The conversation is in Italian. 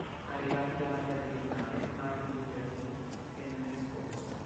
Arrivati davanti al tribunale Martin Luther King tenne un discorso.